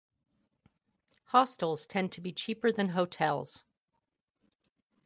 Hostels tend to be cheaper than hotels.